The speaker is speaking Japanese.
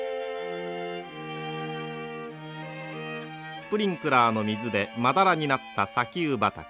スプリンクラーの水でまだらになった砂丘畑。